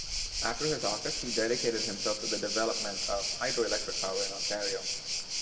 After his office he dedicated himself to the development of hydro-electric power in Ontario.